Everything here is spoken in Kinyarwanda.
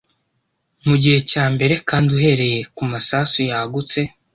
mugihe cyambere kandi uhereye kumasasu yagutse